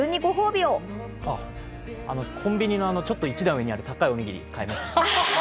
コンビニのちょっと一段上にある、高いおにぎりを買います。